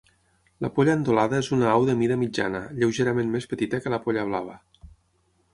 La polla endolada és una au de mida mitjana, lleugerament més petita que la polla blava.